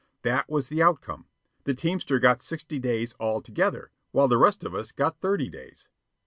That was the outcome. The teamster got sixty days all together, while the rest of us got thirty days.